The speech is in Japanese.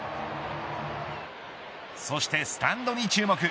そしてスタンドに注目。